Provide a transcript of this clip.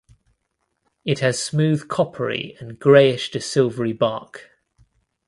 It has smooth coppery and greyish to silvery bark.